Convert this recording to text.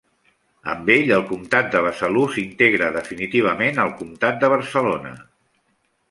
Amb ell, el comtat de Besalú s'integra definitivament al comtat de Barcelona.